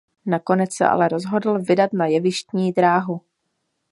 Nakonec se ale rozhodl vydat na jevištní dráhu.